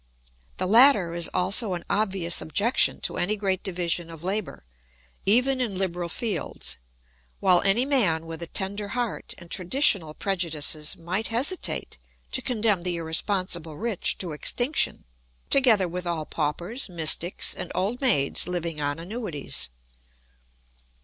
The latter is also an obvious objection to any great division of labour, even in liberal fields; while any man with a tender heart and traditional prejudices might hesitate to condemn the irresponsible rich to extinction, together with all paupers, mystics, and old maids living on annuities.